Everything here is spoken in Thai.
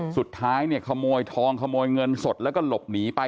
สุดท้ายเนี่ยขโมยทองขโมยเงินสดแล้วก็หลบหนีไป